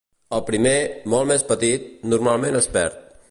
El primer, molt més petit, normalment es perd.